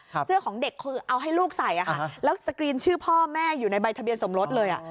เสื้อของเด็กคือเอาให้ลูกใส่อ่ะค่ะแล้วสกรีนชื่อพ่อแม่อยู่ในใบทะเบียนสมรสเลยอ่ะ